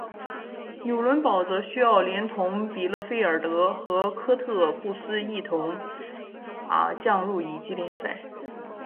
纽伦堡则需要连同比勒费尔德和科特布斯一起降入乙级联赛。